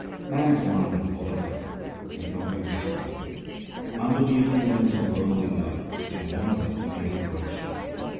Man's mind is volatile and cannot be restrained : Under the influence of worldly love it wandereth in every direction.